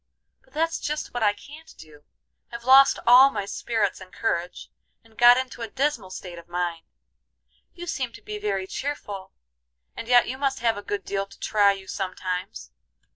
"But that's just what I can't do. I've lost all my spirits and courage, and got into a dismal state of mind. You seem to be very cheerful, and yet you must have a good deal to try you sometimes.